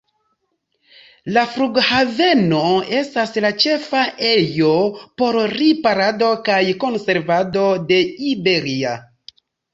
La flughaveno estas la ĉefa ejo por riparado kaj konservado de Iberia.